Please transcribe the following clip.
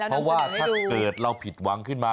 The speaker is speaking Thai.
เพราะว่าถ้าเกิดเราผิดหวังขึ้นมา